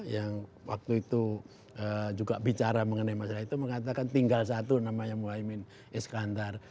yang waktu itu juga bicara mengenai masalah itu mengatakan tinggal satu namanya muhaymin iskandar